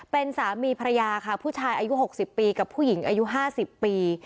เป็นสามีภรรยาค่ะผู้ชายอายุ๖๐ปีกับผู้หญิงอายุ๕๐ปี